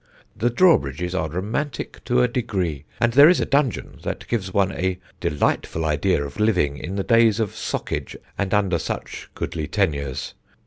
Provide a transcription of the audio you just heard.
The draw bridges are romantic to a degree; and there is a dungeon, that gives one a delightful idea of living in the days of soccage and under such goodly tenures.